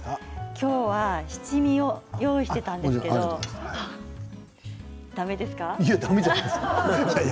今日は七味を用意していたんですけれどだめですか？